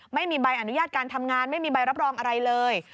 ไม่มีใบอนุญาตการทำงานไม่มีใบรับรองอะไรเลย